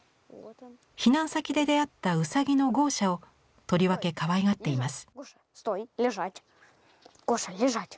避難先で出会ったうさぎのゴーシャをとりわけかわいがっています。